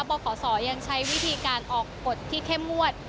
ขศยังใช้วิธีการออกกฎที่เข้มงวด